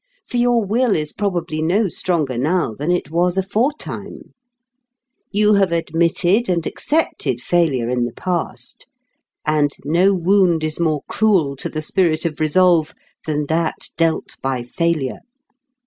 For your will is probably no stronger now than it was aforetime. You have admitted and accepted failure in the past. And no wound is more cruel to the spirit of resolve than that dealt by failure.